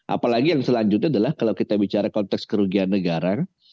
apalagi yang selanjutnya adalah kalau kita bicara konteks kerugian negara